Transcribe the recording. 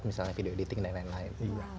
misalnya video editing dan lain lain